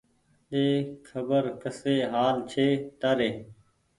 ۮي خبر ڪسي حآل ڇي تآري